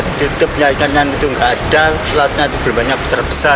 di situ ikannya itu tidak ada lautnya itu berbanyak besar besar